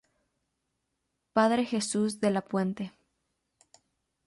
Padre Jesús de la Puente.